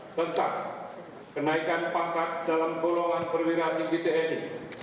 tentang kenaikan pangkat dalam golongan perwira tinggi tni